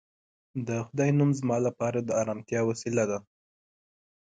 د خدای نوم زما لپاره د ارامتیا وسیله ده